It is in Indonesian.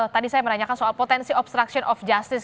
tadi saya menanyakan soal potensi obstruction of justice